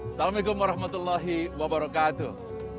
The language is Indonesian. assalamualaikum warahmatullahi wabarakatuh